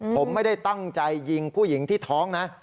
ผมไม่ได้ตั้งใจยิงผู้หญิงที่ท้องนะ